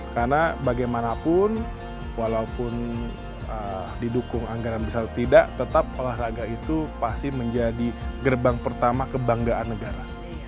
karena bagaimanapun walaupun didukung anggaran besar atau tidak tetap olahraga itu pasti menjadi gerbang pertama kebanggaan negara